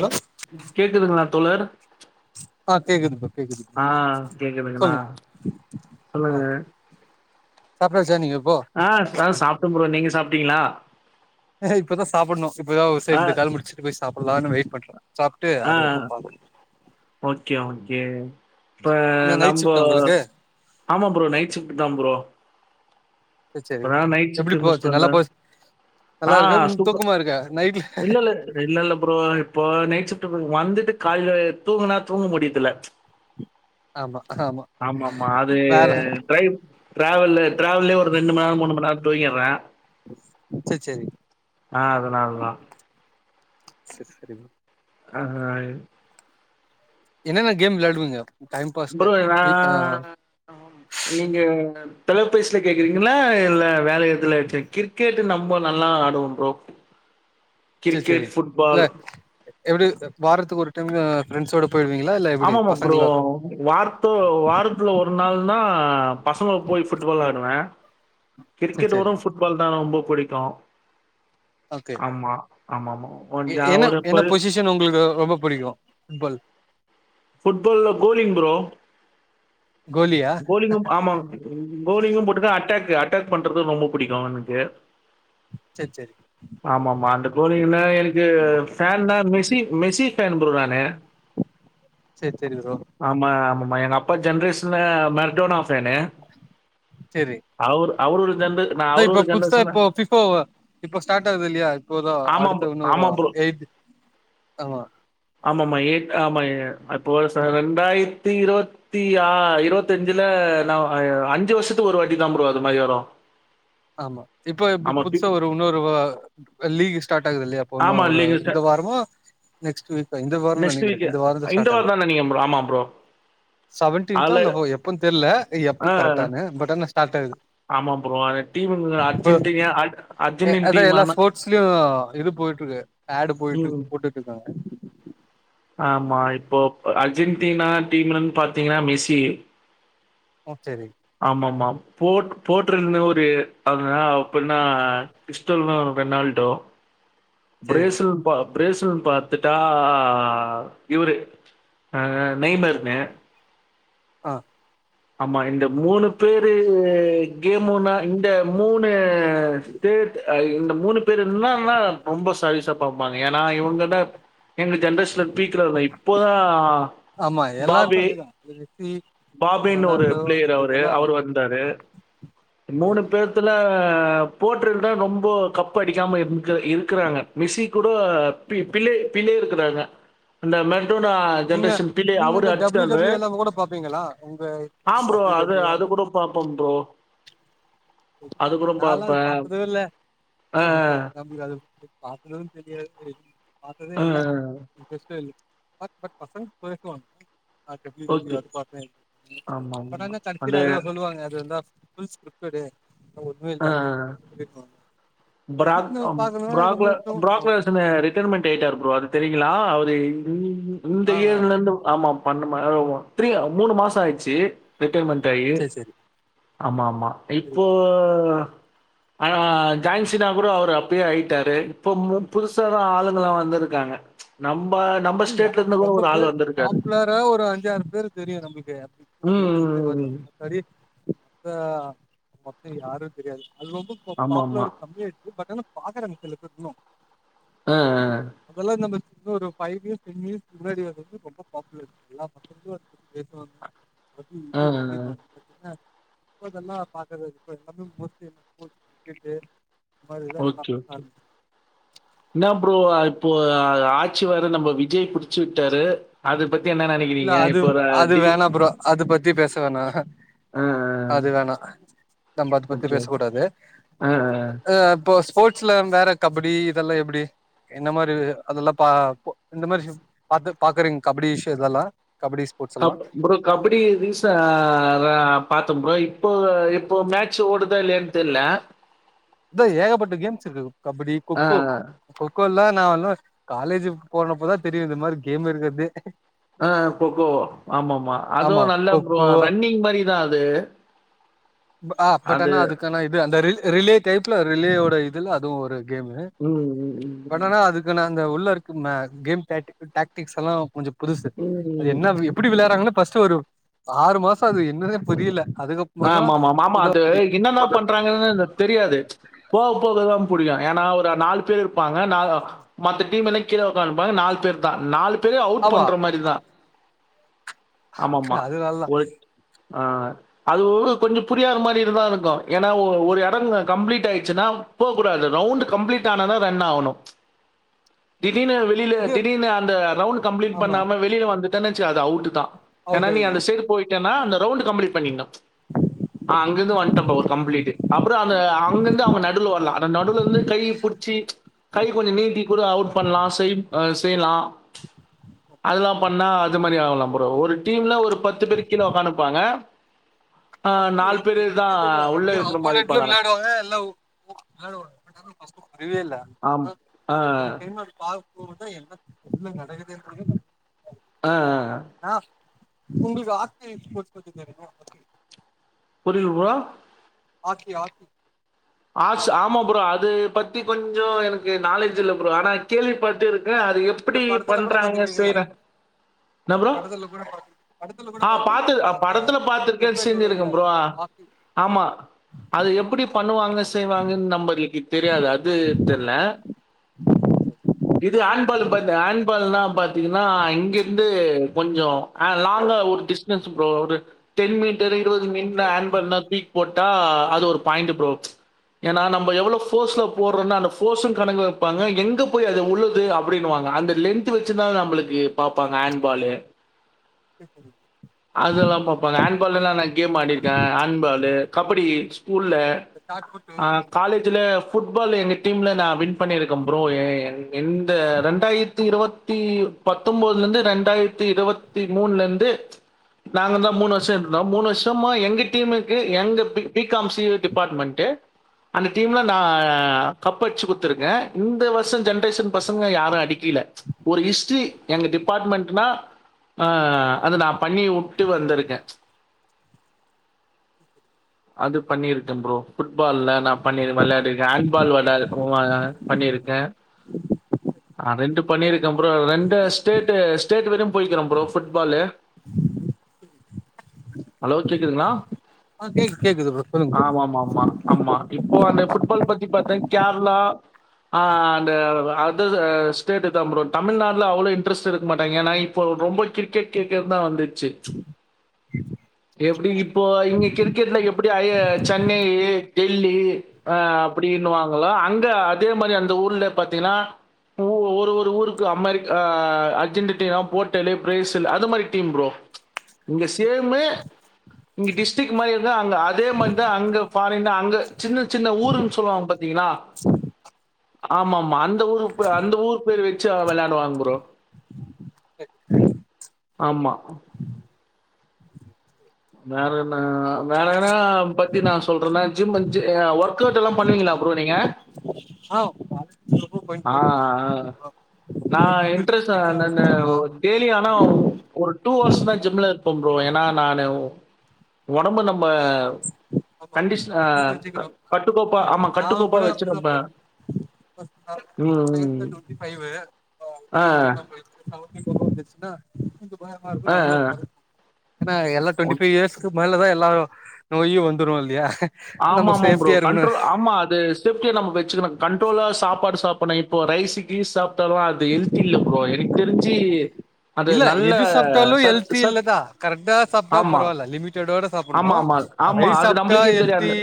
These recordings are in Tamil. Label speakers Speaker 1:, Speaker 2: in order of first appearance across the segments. Speaker 1: ஹலோ
Speaker 2: கேக்குதுங்களா தோழர்
Speaker 1: ஆ கேக்குது ப்ரோ கேக்குது ப்ரோ
Speaker 2: ஆ கேக்குதுங்களா
Speaker 1: சொல்லுங்க ஆ
Speaker 2: சொல்லுங்க
Speaker 1: சாப்ட்டாச்சா நீங்க இப்போ
Speaker 2: ஆ இப்பதா சாப்டே ப்ரோ நீங்க சாப்ட்டீங்களா
Speaker 1: இப்பதா சாப்புட்ணு இப்பதா ஒரு
Speaker 2: ஆ
Speaker 1: இந்த கால் முடிச்சுட்டுப் போய் சாப்புட்லானு வெயிட் பண்ற
Speaker 2: ஆ ஓகே [unintelligible] ஏ இப்ப
Speaker 1: என்ன நைட்
Speaker 2: நம்போ
Speaker 1: ஷிஃப்ட்டா உங்களுக்கு
Speaker 2: ஆமா ப்ரோ நைட் ஷிஃப்ட்டு தா ப்ரோ
Speaker 1: சேர் சேரி
Speaker 2: இப்ப தா நைட்
Speaker 1: எப்டி
Speaker 2: ஷிஃப்ட்டு
Speaker 1: போச்சு
Speaker 2: முடிச்சிட்டு வந்த
Speaker 1: நல்லா போச்
Speaker 2: ஆ
Speaker 1: நல்லா
Speaker 2: ஆ
Speaker 1: இருக்கா
Speaker 2: ஆ
Speaker 1: ம்
Speaker 2: சூப்பர்
Speaker 1: தூக்கமா இருக்கா நைட்ல
Speaker 2: இல்ல இல்ல இல்ல இல்ல ப்ரோ இப்போ நைட் ஷிஃப்ட்டு வந்துட்டு காலைல தூங்குனா தூங்க முடியுரதில்ல
Speaker 1: ஆமா ஆமா
Speaker 2: ஆமாமா அது
Speaker 1: வேற
Speaker 2: டிரைவ் டிராவல்ல டிராவல்லயே ஒரு ரெண்டுமண்நேரோ மூணுமண்நேரோ தூங்கிற
Speaker 1: சேர் சேரி
Speaker 2: ஆ அதனால தா
Speaker 1: செர் செரிங்க
Speaker 2: ஆஹ
Speaker 1: என்ன என்ன கேம் விளையாடுவீங்க
Speaker 2: ப்ரோ நா நீங்க தொலைபேசில கேக்குறீங்களா இல்ல வேற எதுல கேக்குறீங்க கிரிக்கெட் நம்ப நல்லா ஆடுவோ ப்ரோ
Speaker 1: சேர் சேரி
Speaker 2: கிரிக்கெட்
Speaker 1: இல்ல
Speaker 2: ஃபுட்பால்
Speaker 1: எப்டி வாரத்துக்கு ஒரு டைம் ஃப்ரெண்ட்ஸோட போயிடுவீங்களா இல்ல எப்டி
Speaker 2: ஆமாமா ப்ரோ
Speaker 1: பசங்களா
Speaker 2: வாரத்து வாரத்துல ஒரு நாள் னா பசங்கள் போய் ஃபுட்பால் வெளாடுவ
Speaker 1: சேர்
Speaker 2: கிரிக்கெட் ஓட
Speaker 1: சேரி
Speaker 2: ஃபுட்பால் தா ரொம்ப புடிக்கு
Speaker 1: ஓகே
Speaker 2: ஆமா ஆமாமா
Speaker 1: எ
Speaker 2: கொஞ்சம்
Speaker 1: என்ன
Speaker 2: ஒரு
Speaker 1: என்ன
Speaker 2: இப்ப
Speaker 1: பொசிஷன் உங்ளுக்கு ரொம்ப புடிக்கு ஃபுட்பால்
Speaker 2: ஃபுட்பால் ல கோலிங் ப்ரோ
Speaker 1: கோலியா
Speaker 2: கோலிங்கு ஆமா கோலிங்கு போட்டுக்க அட்டேக் கு அட்டேக் பண்றது ரொம்ப புடிக்கு எனக்கு
Speaker 1: சேரி சேரி
Speaker 2: ஆமாமா அந்த கோலிங் லே எனக்கு ஃபேன் னா மெசி மெசி ஃபேன் ப்ரோ நான் னு
Speaker 1: சேர் சேரி ப்ரோ
Speaker 2: மை என் அப்பா ஜென்ரேஷன்ல மெர்டோனாஃப்
Speaker 1: செரி
Speaker 2: அவரு அவரு ஒரு ஜென்ர நான்
Speaker 1: அதா
Speaker 2: அவரு
Speaker 1: இப்போ
Speaker 2: ஒரு
Speaker 1: புதுசா
Speaker 2: ஜெனரேஷன்ல
Speaker 1: இப்போ பிஃப்போ இப்போ ஸ்டார்ட் ஆகுதில்லயா இப்போதா
Speaker 2: ஆமா ப்ரோ.
Speaker 1: அடுத்து இன்னு ஒரு
Speaker 2: ஆமா ப்ரோ.
Speaker 1: எய்ட் ஆமா
Speaker 2: ஆமாமா. எயிட் ஆமா ஏன் அப்போ வருஷோ ரெண்டாயிரத்தி இருவத்தி ஆ இருவத்தி அஞ்சுல நா அஞ்சு வருஷத்துக்கு ஒரு வாட்டிதான் ப்ரோ அது மாரி வரு
Speaker 1: ஆமா இப்போ இப்ப புதுசா ஒரு இன்னொரு லீகிஸ் ஸ்டாட் ஆகுதில்லயா அப்ப இன்னு
Speaker 2: ஆமா
Speaker 1: ஒரு
Speaker 2: இல்லைங்க
Speaker 1: இந்த
Speaker 2: சார்.
Speaker 1: வாரமோ நெக்ஸ்ட் டுவித் இந்த வாரோனு
Speaker 2: நெக்ஸ்ட்
Speaker 1: நெனக்றே
Speaker 2: வீக்
Speaker 1: இந்த வாரந்தா
Speaker 2: இந்த
Speaker 1: ஸ்டார்ட்
Speaker 2: வாரம்
Speaker 1: ஆகுது
Speaker 2: தான் நெனைக்கிறேன் ப்ரோ. ஆமா ப்ரோ.
Speaker 1: செவன்டீன்த்தோ
Speaker 2: அதுல
Speaker 1: இல்ல ஹோ எப்பன் தெர்ல இ எப்
Speaker 2: ஆ
Speaker 1: கரட்டானு பட் ஆனா ஸ்டார்ட் ஆகுது
Speaker 2: ஆமா ப்ரோ. அந்த டீமுங்க
Speaker 1: இப்ப
Speaker 2: அர்ஜென்டினா அர்
Speaker 1: எ
Speaker 2: அர்ஜென்டின்
Speaker 1: அதா
Speaker 2: டீம்
Speaker 1: எல்லா
Speaker 2: ஆனா
Speaker 1: ஸ்போர்ஸ்லயு இது போய்ட்டு இருக்கு ஆட் போய்ட்டு இருக்கு
Speaker 2: ம்.
Speaker 1: போட்டுட்டு இருகாங்க
Speaker 2: ஆமா இப்போ அர்ஜென்டினா டீம்லுன் பாத்தீங்னா மிஸ்ஸி
Speaker 1: ஓ சேரி
Speaker 2: ஆமாமா போ போட்றுனா ஒரு அ அப்புனா கிரிஸ்டல்னா பெனால்டோ
Speaker 1: சேரி
Speaker 2: ப்ரேசில் பா பிரேசில்னு பாத்துட்டா ஆ இவரு நெய்மர்னூ
Speaker 1: ஆ
Speaker 2: ஆமா இந்த மூணு பேரு கேமுனா இந்த மூணு அ ஸ்டேட் அ இந்த மூணு பேர் இருந்தன்னா ரொம்ப சர்வீஸா பாப் பாங்க ஏன்னா இவுங்க எங்க ஜென்ரேஷன் பீக்ல இருந்தோ இப்ப தா
Speaker 1: ஆமா எல்லாருக்கு
Speaker 2: பாபி
Speaker 1: அதேதா மெஸ்ஸி
Speaker 2: பாப் குபினு ஒரு
Speaker 1: ரொனால்டோ
Speaker 2: பிளேயரு
Speaker 1: அந்த
Speaker 2: அவரு
Speaker 1: இதெல்லா
Speaker 2: அவரு வந்தாரு மூணு
Speaker 1: சரி
Speaker 2: பேத்துல தஆ போட்றதுதா ரொம்ப கப் அடிகாம இருக் இருக்றாங்க மிஸி கூட பிள்ளே பிள்ளை இருக்றாங்க அந்த மேட இதுதா
Speaker 1: நீங்க
Speaker 2: ஜென்ரேஷன் பிள்ளே
Speaker 1: நீங்க
Speaker 2: அவரு
Speaker 1: இந்த டபிள்யூ
Speaker 2: அடிச்டாரு
Speaker 1: டபிள்யூ எல்லா கூட பாப்பீங்களா உங்க
Speaker 2: ஆஹ் ப்ரோ
Speaker 1: டபிள்யூ
Speaker 2: அது
Speaker 1: டபிள்யூ
Speaker 2: அது
Speaker 1: அந்த
Speaker 2: கூட பாப்போம் ப்ரோ அது கூட
Speaker 1: நாலா அது
Speaker 2: பார்ப்பேன்
Speaker 1: பாத்ததே இல்ல ஏன்னா [unintelligible] பாக்ணுனு தெரியாது பாத்ததே இல்ல பெஸ்ட்வல் ப ப் பப் பசங் பேசுவாங் [unintelligible]
Speaker 2: ஓகே ஆமா ஆமா
Speaker 1: அதாங்க
Speaker 2: அந்த
Speaker 1: சர்ச்ல அததா சொல்லுவாங்க அது எந்தா ஃபுள் ஸ்க்ரீப்டடு
Speaker 2: ஆ [unintelligible]
Speaker 1: எதுக்கு நம்ம பாக்கணு கம்முனு விட்ருவோ
Speaker 2: ப்ராகலர்
Speaker 1: அவ்ளோதா
Speaker 2: அஸ்டன்டு ரிட்டர்மென்ட் ஆய்டாரு ப்ரோ அது தெரியுங்ளா அவர் [unintelligible] இந்த
Speaker 1: ஆ ஆ
Speaker 2: இயர்ல இருந்து ஆமா பண்ணம அவ் த்ரீய மூணு மாச ஆய்ச்சு ரிட்டர்மெண்ட் டையி
Speaker 1: சரி சரி
Speaker 2: ஆமா ஆமா
Speaker 1: சரி
Speaker 2: இப்போ ஆனா ஜான்ஸினா கூட அவரு அப்யே ஆயிடாரு இப்ப மு புதுசா தா ஆளுங்ளா வந்திருகாங்க ம்ச் நம்
Speaker 1: இது ரொம்ப பேர் பாப்புலரா ஒரு அஞ்சாயிரம் பேரு தெரியும் நமக்கு
Speaker 2: ம், ம், ம்.
Speaker 1: [unintelligible] மத்த மொத்த யாரும் தெரியாது அது ரொம்ப
Speaker 2: ஆமாமா.
Speaker 1: பாப்புலர் கம்யாருக்கு பட் [unintelligible]
Speaker 2: ஆ, ஆ,
Speaker 1: அதெல்லா நம்ப நூரு பஃபைவ் இயர்ஸ் டென் இயர்ஸ் முன்னாடி வது வந்து ரொம்ப பாப்புலர் எல்லா மக்களும் அது பேசுவாங்க அது
Speaker 2: ஆ,
Speaker 1: இது
Speaker 2: ஆ.
Speaker 1: இப்ப அதல்லாம் பாக்குற இல்ல இப்ப எல்லாமே மோஸ்ட்லி கிரிக்கெ்ட்
Speaker 2: ஓகே ஓகே என்ன ப்ரோ ப்ப ஆட்சி வரு நம்ம விஜய் பிடிச்சுட்டாரு அது பத்தி என்ன
Speaker 1: இல்ல
Speaker 2: நெனைக்கிறீங்க?
Speaker 1: அது
Speaker 2: இப்போ ஒரு
Speaker 1: அது
Speaker 2: டி
Speaker 1: வேணா ப்ரோ அது பத்தி பேச வேணா
Speaker 2: ஆ, ஆ,
Speaker 1: அது வேணா நம்ம அது பத்தி
Speaker 2: ஓகே.
Speaker 1: பேசுக் கூடாது
Speaker 2: ஆ, ஆ.
Speaker 1: இப்ப ஸ்போட் வேற கபடி இதல்லா எப்புடி இந்த மாதுரி அதல்லா பா இந்த மாதுரி பாக்குறீங்க கபடி இதல்லா
Speaker 2: கப் ப்ரு கப்டி ரீச ர பாத் ப்ரோ இப்போ இப்போ மேட்சு ஓடுதா இல்லயானு தெர்ல
Speaker 1: இதா ஏகப்பட்ட கேம்ஸ் இருக்கு கபடி
Speaker 2: ஆ,
Speaker 1: கொக்கோ
Speaker 2: ஆ.
Speaker 1: கொக்கோலா நா காலேஜ் போனப்பதா தெரியு இந்த மாரி கேம் இருக்கதே
Speaker 2: அ கொக்கோ ஆம ஆாமமா
Speaker 1: ஆமா
Speaker 2: அதுவு நல்ல
Speaker 1: கொக்கோ
Speaker 2: ரன்னிங் மாரி தா அது
Speaker 1: அ பட்
Speaker 2: அது
Speaker 1: அனா அதுக்கானா இது அந்த ரிலு ரிலே டைப்ல ரி லேட இதுல அதுவும் ஒ கேமு
Speaker 2: ம், ம்,
Speaker 1: பண் அனா அதுக்குன இந்த உள்ள இருக்கு மே கேம் டேக்டிக்ஸ் எல்லா கொஞ்ச புதுசு
Speaker 2: ம்,
Speaker 1: அது
Speaker 2: ம்.
Speaker 1: என்ன எப்புடி விள்யாறாங்கன ஃபஸ்ட்டு ஒரு ஆறு மாச அது என்னதே புரியல அதுக்கப்மாதா
Speaker 2: மாமா அது என்னன்ன பண்றாங்கன்னு தெரியாது போக போக தா புரியு ஏன்னா த நாலு பேர் இருப்பாங்க மத்த டீம் எல்லா கீழ உக்கப்பாங்க நாலு பேர் தா நா துக்கு அவுட்
Speaker 1: ஆமா
Speaker 2: பண்ற மாரி தா ஆமமா
Speaker 1: அது நல்லா
Speaker 2: ஒருச் ஆ அது உ கொஞ்ச புரியாத மாரி இருந்தா இருக்கு ஏன்னா ஒரு எட கம்பிலிட் ஆயடுச்சுன்னா போகக்கூடாது ரவுண்ட் கம்ப்ளீட் ஆனா தான் ரன் ஆகணு தீனு வெளில
Speaker 1: இது
Speaker 2: திடீனு அந்த ரவுண்ட் கம்லீட்
Speaker 1: ஆமா
Speaker 2: பண்ணாம வெளில வந்து டன் வச்ச அது அவுட் தா ஏன்னா
Speaker 1: அவுட்
Speaker 2: நீ
Speaker 1: ஆயிடுவா
Speaker 2: அந்த சேர் போயிட்டனா
Speaker 1: ஆமா
Speaker 2: அந்த ரவுண்ட் கம்ப்ளீட் பண்ணின்னு அ அங்க இருந்து வந்துட்டப்ப கம்ப்ளீட்டு் அப்புற அந்த அங்கிருந்து அவங்க நடுல வரலாம் அந்த நடுல இருந்து கை புடுச்சி கை கொஞ்ச நீட்டி கூட அவுட் பண்ணலா செய் செய்லா அதல்லா பண்ணா அது மாரி ஆவலா ப்ரோ ஒரு டீம்ல ஒரு பத்து பேரு கிழ ஒக்காந்துப்பாங்க
Speaker 1: ஃபஸ்ட்டு எப்பினே தெர்ல
Speaker 2: உள்ள
Speaker 1: ரெண்டு
Speaker 2: இருக்கிற மாதிரி
Speaker 1: அப்போனன்ட்டுலு
Speaker 2: இருப்பாங்க ஆனா
Speaker 1: விளையாடுவாங்கல்ல எல்லா விளாடுவாங்க ஆனா ஃபர்ஸ்ட் வரு ஃபீவே இல்ல
Speaker 2: ஆமா ஆ
Speaker 1: [unintelligible] கு வந்தா என்னா நடக்குதுந்தே என்னனே
Speaker 2: அ அ
Speaker 1: ஆ உங்ளுக்கு ஆக்கி ஸ்போர்ட்ஸ் பத்தி தெரிமா ஓகே
Speaker 2: புரில ப்ரோ
Speaker 1: ஆக்கி ஆக்கி
Speaker 2: ஆஸ் ஆமா ப்ரோ அது பத்தி கொஞ்ச எனக்கு நாலேட்ஜ் இல்ல ப்ரோ ஆனா கேள்வி பட்டுருக் அது
Speaker 1: இந்த
Speaker 2: எப்பிடி
Speaker 1: படத்துல கூட
Speaker 2: பண்றாங்க
Speaker 1: பாத்திருப்பீங்கல்ல
Speaker 2: செய்றாங் என்ன ப்ரோ
Speaker 1: படத்துல கூட பாத்து படத்துல கூட
Speaker 2: ஆ பாத்து
Speaker 1: பாத்துருக்கீங்களா இந்த
Speaker 2: படத்துல பாத்துருக்கே
Speaker 1: நட்பே
Speaker 2: செஞ்சிருக்கே
Speaker 1: துணையில
Speaker 2: ப்ரோ
Speaker 1: ஆப்பி
Speaker 2: ஆமா அது எப்புடி பண்ணுவாங்க வாங்கன் நம்மளுக்கு தெரியாது அது தெர்ல இது ஹேன் பால் பாத் ஹேன் பால்னா பாத்திங்கனா இங்கிருந்து கொஞ்சொ எ லாங்கா ஒரு டிஸ்டன்ஸ் ப்ரோ ஒரு டென் மீட்டரு இருபது மீன்ல ஹேன் பல்ல தூக்கி போட்டா அது ஒரு பாயிண்ட் ப்ரோ ஏனா நம்ப எவ்ள ஃபோர்ஸ்ல போர்றன்னு அந்த போர்ஸு கணக்கு வெப்பாங்க எங்க போய் அது உளுது அப்டினுவாங்க அந்த லென்த் வெச்சுதா நம்மளுக்கு பாப்பாங்க ஹேண்ட்பாலு
Speaker 1: சேர் சேரிங்
Speaker 2: அதெல்லா பாப்பாங்க ஹேண்ட பால்ல எல்லா நா கேம் ஆடிருக்க ஹேண்ட் பாலு கபடி ஸ்கூல்ல
Speaker 1: ஷாட் புட்டு
Speaker 2: ஆ காலேஜுல ஃபுட்பால் எங்க டீம்ல நா வின் பண்ணிருக்க ப்ரோ ஏ எ எந்த ரெண்டாயிரத்தி இருவத்தி பத்தொம்போதுல இருந்து ரெண்டாயிரத்தி இருவத்தி மூண்ல இருந்து நாங்கதா மூணு வருஷ இருந்தோ மூணு வருஷமா எங்க டீமுக்கு எங்க B B com senior department அந்த டீம்ல நா கப் அடிச்சு குடுத்திருக்கே இந்த வருஷ ஜென்ரேஷன் பசங்க யாரு அடிக்கில ஒரு ஹிஸ்ட்ரி எங்க டிபார்ட்மெண்ட்னா அது நா பண்ணி வுட்டு வந்திருக்கே அது பண்ணிருக்கே ப்ரோ ஃபுட்பால்ல நா பண்ணி வெளாடிருக்கே ஹேண்ட்பால் வெள ஆ பண்ணிருக்கே ஆ ரெண்டு பண்ணிருக்கே ப்ரோ ரெண்டு ஸ்டேட் ஸ்டேட் வரையு போய்க்கிறோ ப்ரோ ஃபுட்பாலு ஹலோ கேக்குதுங்ளா
Speaker 1: ஆ கேக்கு கேக்குது ப்ரோ சொல்லுங்க சொல்லுங்க
Speaker 2: ஆமாமாமா ஆமா இப்போ அந்த ஃபுட்பால் பத்தி பாத்தா கேரளா அ அந்த அதர் ஸ்டேட்டுதா ப்ரோ தமிழ்நாடுல அவ்ளோ இன்ட்ரஸ்ட் எடுக்க மாட்டாங்க ஏனா இப்ப ரொம்ப கிரிக்கெட் கிரிக்கெட் தா வந்துச்சி எப்டி இப்போ இங்கெ கிரிக்கெட்ல எப்டி ஐய சென்னையி டெல்லீ ஆ அப்டின்னுவாங்கல்ல அங்க அதே மாரி அந்த ஊர்ல பாத்தீங்கன்னா ஓ ஒவ்வொரு ஒரு ஊருக்கு அமெரிக் ஆ அர்ஜென்டுடினா போட்டலு ப்ரெய்சில் அந்த மாரி டீம் ப்ரோ இங்க சேமு இங்கெ டிஸ்டிக் மாரி இந்தா அங்க அதே மாரிதா அங்க ஃபாரின்ல அங்க சின்னச் சின்ன ஊருன் சொல்வாங்க பாத்தீங்களா ஆமாமா அந்த ஊரு ப அந்த ஊரு பேரு வெச்சி விளாடுவாங்க ப்ரோ ஆமா வேற என்னா வேற எங்கனா பத்தி நா சொல்றனா ஜிம்மு ஜி ஆ ஒர்க் அவுட்டெல்லா பண்ணுவீங்ளா ப்ரோ நீங்க
Speaker 1: ஆ பா
Speaker 2: ஆ ஆ நா
Speaker 1: அங்க ஜிம் இருக்கும்
Speaker 2: இன்ட்ரெஸா
Speaker 1: ஃப்ரீயா இது
Speaker 2: நானு
Speaker 1: பண்ணலாம்
Speaker 2: டெய்லி ஆனா ஒரு டூ ஆர்ஸ் தா ஜிம்ல இருப்பம் ப்ரோ ஏனா நானு ஒடம்ப நம்ப
Speaker 1: ஆமா
Speaker 2: கண்டிஷ் ஆ
Speaker 1: ஃபிட்னஸ
Speaker 2: க
Speaker 1: வச்சுக்கிறோம்
Speaker 2: கட்டுக்கோப்பா ஆமா கட்டுக்கோப்பா வெச்சிருப்ப
Speaker 1: ஆமா நம்ம வயசே ட்வண்ட்டி ஃபைவு அப்றோ
Speaker 2: ஆ
Speaker 1: வெய்ட்டு நம்பள்து செவண்ட்டி ஃபோர் அ [inaudible] [inaudible] இருக்கு நம்மளு [inaudible] ஏன்னா எல்லா ட்வண்ட்டி
Speaker 2: ஒ-
Speaker 1: ஃபை இயர்ஸ்க்கு மேலதா எல்லா நோயு வந்துரு இல்லியா
Speaker 2: ஆமா ஆமா ப்ரோ கண்ட்ரோ ஆமா அது சேஃப்டியா நம்ம வெச்சுகுணு கண்ட்ரோலா சாப்பாடு சாப்புண்ணு இப் போ ரைசு கீஸ் சாப் ட்டாலு அது எல்த்தில்ல ப்ரோ எ தெரிஞ்சி
Speaker 1: இல்ல எது சாப்ட்டாலு எல்த்தி இல்லதா கரக்டா சாப்ட்டா
Speaker 2: ஆமா.
Speaker 1: பரவால்ல லிமிட்டடோட சாப்புண்ணு
Speaker 2: ஆமா, ஆமா,
Speaker 1: அ
Speaker 2: ஆமா.
Speaker 1: ரைஸ்
Speaker 2: அது
Speaker 1: சாப்ட்டா
Speaker 2: நம்மளுக்கே
Speaker 1: எல் தி
Speaker 2: தெரியாது.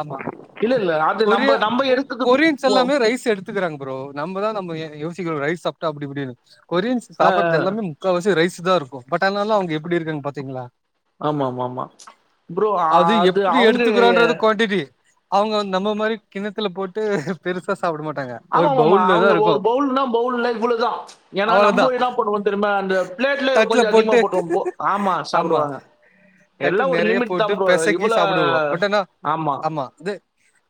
Speaker 1: ஆமா
Speaker 2: இல்ல, இல்ல. அது நம்ப
Speaker 1: கொரியா
Speaker 2: நம்ப எடுத்தது
Speaker 1: கொரியன்ஸ்
Speaker 2: போ
Speaker 1: எல்லாமே ரைஸ் எடுத்துக்கறாங்க ப்ரோ நம்பதா நம்ம ய யோசிக்கறோ ரை இ சாப்ட்டா அப்டிஇப்டின்னு கொரியன் சாப்பறது எல்லாமே முக்காவாசி ரைஸ் இதாருக்கும் பட் ஆனாலும் அவுங்க எப்புடி இருக்காங் பாத்தீங்களா
Speaker 2: ஆமா ஆமா ஆமா ப்ரோ அது அவுங்க
Speaker 1: அவுங்க நம்ப மாதிரி கிண்ணத்துல போட்டு பெருசா சாப்ட மாட்டாங்க
Speaker 2: ஆமா
Speaker 1: ஒரு
Speaker 2: மாமா
Speaker 1: பவுல்ல தா
Speaker 2: அவுங்க
Speaker 1: இருக்கு
Speaker 2: ஒரு பவுல்னா பவுல்ல இவ்வுளதான் ஏன்னா
Speaker 1: அவ்ளோதா
Speaker 2: நம்மவிடா [unintelligible] திரும்ப அந்த ப்ளேட்லே
Speaker 1: தட்ல
Speaker 2: கொஞ்சம் அதிகமா போட்டுவன் போ
Speaker 1: போட்டு
Speaker 2: ஆமா சாப்டுவாங்க
Speaker 1: தட்டு
Speaker 2: எல்லா ஒரு
Speaker 1: நெறைய
Speaker 2: லிமிட்
Speaker 1: போட்டு
Speaker 2: தான் ப்ரோ
Speaker 1: பெசக்கி
Speaker 2: இவ்ளோ ஆமா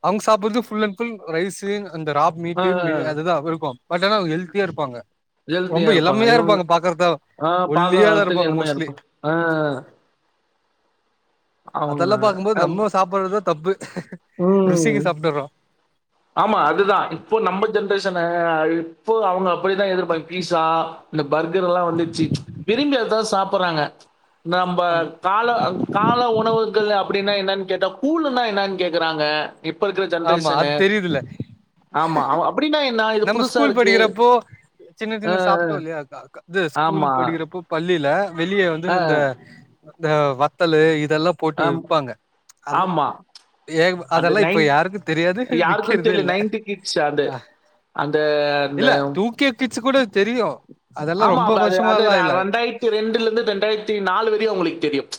Speaker 1: அவுங்க சாப்புறது புல் அண் புல் ரைஸு அந்த ராப்
Speaker 2: ஆ
Speaker 1: மீட்டு மீ அதுதான் இருக்கும் பட் ஆனா ஹெல்த்தியா இருப்பாங்க ரொம்ப
Speaker 2: ஹெல்தியா இருப்பாங்க
Speaker 1: இளமையா
Speaker 2: இவுங்க
Speaker 1: பாக்கறதா
Speaker 2: ஆஹ் பாக்க
Speaker 1: ஒல்லியாதா
Speaker 2: அத்துக்கு
Speaker 1: இருப்பாங்க
Speaker 2: எளிமையா
Speaker 1: மோஸ்ட்லி
Speaker 2: இருக்கும்ஆஹ்
Speaker 1: அதல்லாம் பாக்கும் போது
Speaker 2: அப்
Speaker 1: நம்மோ சாப்புறது தான் தப்பு ருசிக்கு
Speaker 2: ம்
Speaker 1: சாப்ட்டுறோ
Speaker 2: ஆமா அதுதான் இப்போ நம்ப ஜென்ரேஷன் இப்போ அவுங்க அப்படிதான் எதுர்பாக் பீஸா இந்த பர்கரெல்லாம் வந்துருச்சு விரும்பி அதுதான் சாப்புறாங்க நம்ப
Speaker 1: ஆமா
Speaker 2: கால கால உணவு க்கல்ல அப்படின்னா என்னென் கேட்டா கூலுனா என்னென் கேக்குறாங்க
Speaker 1: ஆமா அது தெரியுதுல்ல
Speaker 2: ஆமா. அவ- அப்படின்னா என்ன? இது
Speaker 1: நம்ம
Speaker 2: புதுசா
Speaker 1: ஸ்கூல்
Speaker 2: இருக்கு.
Speaker 1: படிக்கிறப்போ சின்ன சின்ன சாப்ட்டோம் இல்லயா அதான் து ஸ்கூல்
Speaker 2: ஆமா.
Speaker 1: படிக்கிறப்போ பள் பள்ளிலே வெளியே வந்து இந்த இந்த வத்தலு இது இதெல்லா போட்டு
Speaker 2: ஆம்
Speaker 1: விப்பாங்க அந்த
Speaker 2: ஆமா.
Speaker 1: ஏ
Speaker 2: அந்த
Speaker 1: அதெல்லா இப்
Speaker 2: யாருக்கும் தெர்ல நைன்டி கிட்ஸ் அது
Speaker 1: அ
Speaker 2: அந்த அந்த
Speaker 1: இல்ல டூ கே கிட்ஸ் கூட தெரியும்
Speaker 2: ஆமா அது அதுதா ரெண்டாயிரத்தி ரெண்டுல இருந்து ரெண்டாயிரத்தி நாலு வரையும் உங்களுக்கு தெரியும்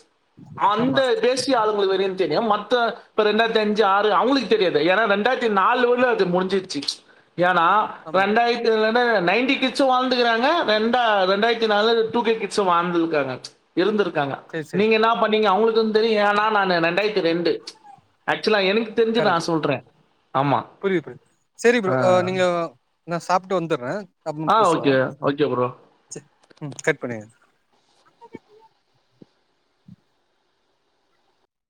Speaker 2: அந்த
Speaker 1: ஆமா
Speaker 2: தேசிய ஆளுமை வரையு தெரியும் மத்த இப்ப ரெண்டாயிரத்தி அஞ்சு ஆறு அவுங்களுக்கு தெரியாது ஏன்னா இண்டாயிரத்தி நாலு வரையுல அது முடிஞ்சிருச்சு ஏன்னா
Speaker 1: ஆமா
Speaker 2: ரெண்டாயிரத்திலந்து நைன்டி கிட்ஸு வாழ்ந்துகுறாங்க நாள்ல டூ கே கிட்ஸும் வாழ்ந்திருக்காங்க இருந்திருக்கு காங்க
Speaker 1: சேரி சேரி
Speaker 2: நீங்க என்னா பண்ணீங்க அவுங்களுக்கு தெரியு ஏனா நான்னு ரெண்டாயிரத்தி ரெண்டு ஆக்சுவலா எனக்கு தெரிஞ்சு
Speaker 1: கரெக்ட்டு
Speaker 2: நான் சொல்றேன் ஆமா
Speaker 1: புரியுது புரியுது சரி ப்ரோ நீங்க நா சாப்ட்டு வந்துறே அப்மா
Speaker 2: ஆ
Speaker 1: பேஸ்லா
Speaker 2: ஓகே ஓகே ப்ரோ
Speaker 1: செரி ம் கட் பண்ணிருங்க [inaudible]